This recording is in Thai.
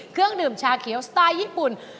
เครื่องดื่มชาเขียวสไตล์ญี่ปุ่น